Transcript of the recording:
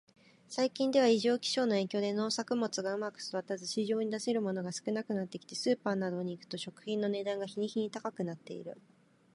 最近では、異常気象の影響で農作物がうまく育たず、市場に出せるものが少なくなってきて、スーパーなどに行くと食品の値段が日に日に高くなっている。